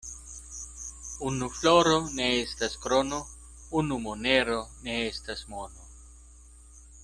Unu floro ne estas krono, unu monero ne estas mono.